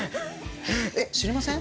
え知りません？